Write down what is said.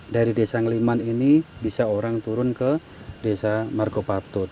dari desa ngeliman ini bisa orang turun ke desa margopatut